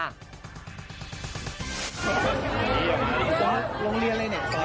ได้มั้ย